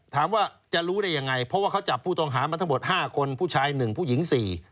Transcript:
ถามว่าจะรู้ได้ยังไงเพราะว่าเขาจับผู้ต้องหามาทั้งหมด๕คนผู้ชาย๑ผู้หญิง๔